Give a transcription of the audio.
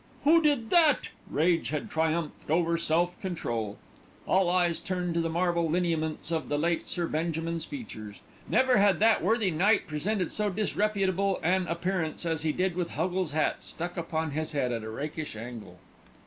"Who did that?" Rage had triumphed over self control. All eyes turned to the marble lineaments of the late Sir Benjamin's features. Never had that worthy knight presented so disreputable an appearance as he did with Huggles' hat stuck upon his head at a rakish angle.